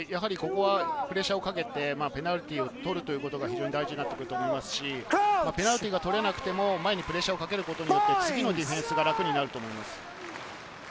プレッシャーをかけてペナルティーを取ることが非常に大事になってくると思いますし、ペナルティーが取れなくても、前にプレッシャーをかけることで、次のディフェンスが楽になると思います。